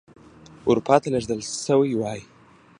اروپا ته لېږدول شوي وای.